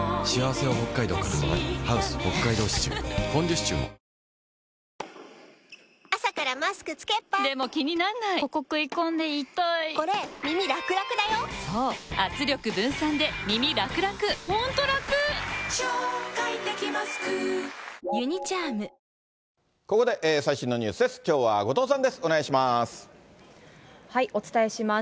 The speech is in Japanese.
ここで最新のニュースです。